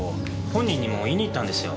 本人にも言いに行ったんですよ。